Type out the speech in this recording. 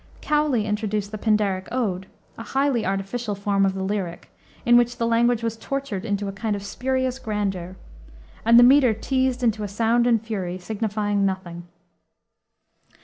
Cowley introduced the Pindaric ode, a highly artificial form of the lyric, in which the language was tortured into a kind of spurious grandeur, and the meter teased into a sound and fury, signifying nothing.